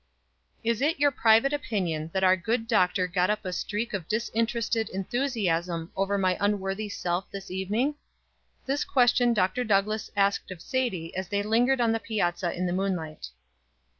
"Is it your private opinion that our good doctor got up a streak of disinterested enthusiasm over my unworthy self this evening?" This question Dr. Douglass asked of Sadie as they lingered on the piazza in the moonlight.